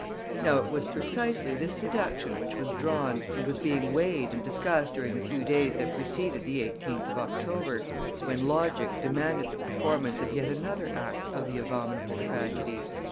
Now it was precisely this deduction which was drawn and was being weighed and discussed during the few days that preceded the 18th of October, when logic demanded the performance of yet another act of the abominable tragedy.